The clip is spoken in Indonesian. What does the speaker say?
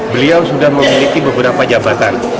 beliau sudah memiliki beberapa jabatan